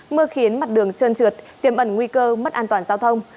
mưa khiến mặt đường trơn trượt tiềm ẩn nguy cơ mất an toàn giao thông